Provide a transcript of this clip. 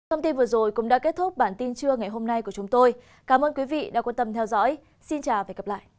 hãy đăng ký kênh để ủng hộ kênh của mình nhé